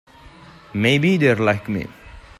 Maybe they're like me.